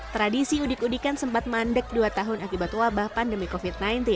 tradisi udik udikan sempat mandek dua tahun akibat wabah pandemi covid sembilan belas